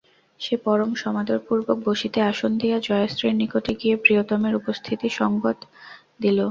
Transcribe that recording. সে পরম সমাদরপূর্বক বসিতে আসন দিয়া জয়শ্রীর নিকটে গিয়া প্রিয়তমের উপস্থিতিসংবাদ দিল।